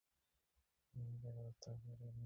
আমি তাকে হত্যা করিনি।